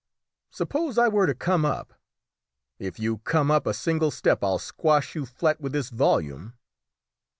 "Suppose I were to come up?" "If you come up a single step I'll squash you flat with this volume!"